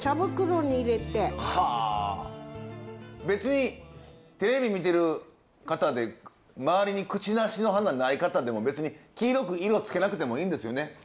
別にテレビ見てる方で周りにくちなしの花ない方でも別に黄色く色つけなくてもいいんですよね？